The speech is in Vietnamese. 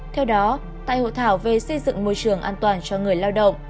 theo đó tại hội thảo về xây dựng môi trường an toàn cho người lao động